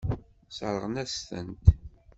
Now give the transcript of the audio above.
Sseṛɣen-asent-t.